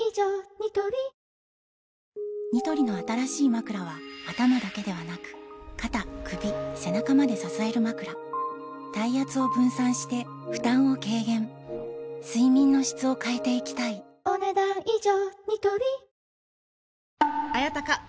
ニトリニトリの新しいまくらは頭だけではなく肩・首・背中まで支えるまくら体圧を分散して負担を軽減睡眠の質を変えていきたいお、ねだん以上。